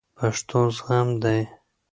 پښتو زغم دی